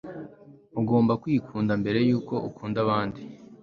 ugomba kwikunda mbere yuko ukunda undi